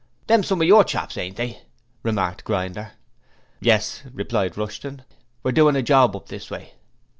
'Them's some of your chaps, ain't they?' remarked Grinder. 'Yes,' replied Rushton. 'We're doing a job up this way.'